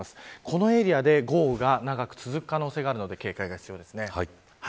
このエリアで豪雨が長く続く可能性があるので警戒が必要です。